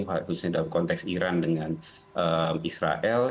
khususnya dalam konteks iran dengan israel